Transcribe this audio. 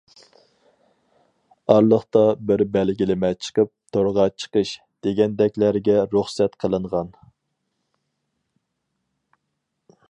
ئارىلىقتا بىر بەلگىلىمە چىقىپ، تورغا چىقىش. دېگەندەكلەرگە رۇخسەت قىلىنغان.